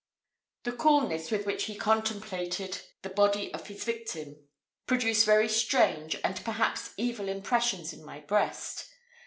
The coolness with which he contemplated the body of his victim produced very strange and perhaps evil impressions in my breast.